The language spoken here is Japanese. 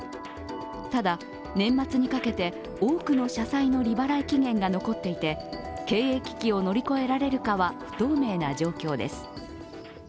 ただ、年末にかけて多くの社債の利払い期限が残っていて経営危機を乗り越えられるかは不透明な状況です。